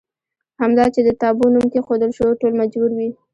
همدا چې د تابو نوم کېښودل شو ټول مجبور وي.